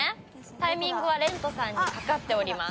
タイミングはＲＥＮＴＯさんにかかっております。